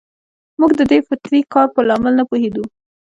موږ د دې فطري کار په لامل نه پوهېدو.